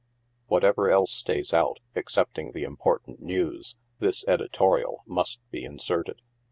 Whatever else stays out excepting the impor tant news, this editorial must be inserted.